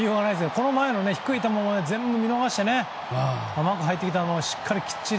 この前の低い球も全部見逃して甘く入ってきたのをしっかりきっちり。